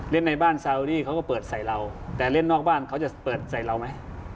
ในบ้านซาวดีเขาก็เปิดใส่เราแต่เล่นนอกบ้านเขาจะเปิดใส่เราไหม